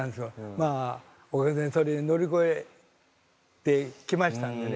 まあおかげでそれ乗り越えてきましたんでね。